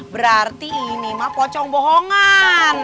berarti ini mah pocong bohongan